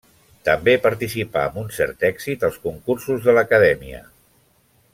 També participà amb un cert èxit als concursos de l'Acadèmia.